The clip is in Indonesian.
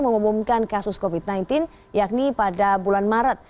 mengumumkan kasus covid sembilan belas yakni pada bulan maret